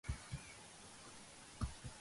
წარმოადგენს მაოკეს მთების დასავლეთ ნაწილს.